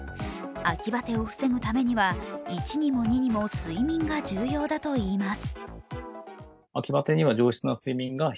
秋バテを防ぐためには一にも二にも睡眠が重要だといいます。